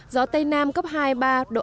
gió tây nam cấp hai ba độ